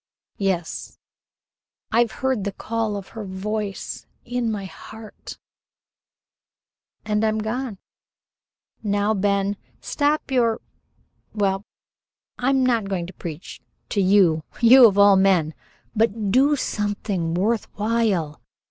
"Yes; I've heard the call of her voice in my heart and I'm gone. Now, Ben, stop your well, I'll not preach to you, you of all men, but do something worth while.